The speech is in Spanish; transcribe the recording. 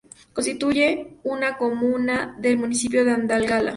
Constituye una comuna del municipio de Andalgalá.